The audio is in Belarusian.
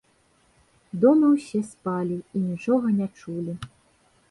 Дома ўсе спалі і нічога не чулі.